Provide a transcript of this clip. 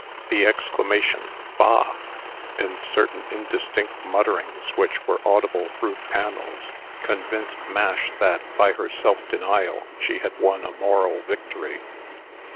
The exclamation "Bah!" and certain indistinct mutterings which were audible through the panels, convinced Mash that, by her self denial, she had won a moral victory.